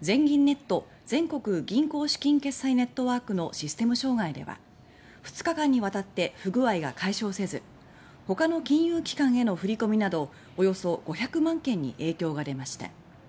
全銀ネット・全国銀行資金決済ネットワークのシステム障害では２日間にわたって不具合が解消せず他の金融機関への振込などおよそ５００万件に影響が出ました。